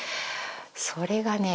それがね